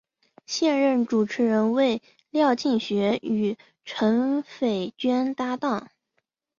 现任主持人为廖庆学与陈斐娟搭档。